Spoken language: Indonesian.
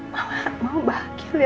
mama mama bahagia liat kalian semua